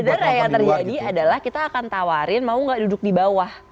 jadi sebenarnya yang terjadi adalah kita akan tawarin mau nggak duduk di bawah